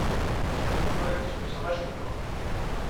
Ur ak-d-ssukkseɣ acemma.